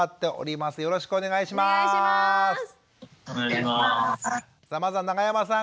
まずは永山さん